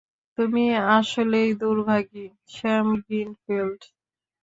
তুমি আসলেই দুর্ভাগী, Sam Greenfield.